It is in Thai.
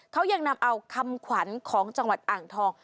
เขายังนำเอาคำขวัญของจังหวัดอ่างทอง